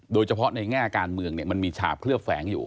โดยเฉพาะในแง่การเมืองมันมีฉาบเคลือบแฝงอยู่